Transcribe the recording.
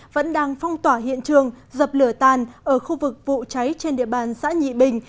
vẫn đang phong tỏa hiện trường dập lửa tàn ở khu vực vụ cháy trên địa bàn xã nhị bình